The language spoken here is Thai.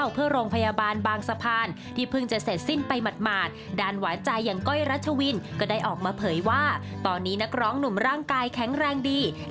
เพื่อโรงพยาบาลบางสะพานที่เพิ่งจะเสร็จสิ้นไปหมด